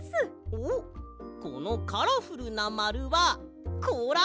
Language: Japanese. おっこのカラフルなまるはこうら？